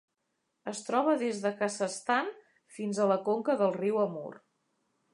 Es troba des del Kazakhstan fins a la conca del riu Amur.